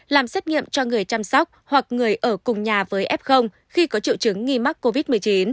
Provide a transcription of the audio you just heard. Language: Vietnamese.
làm xét nghiệm cho người chăm sóc hoặc người ở cùng nhà với f khi có triệu chứng nghi mắc covid một mươi chín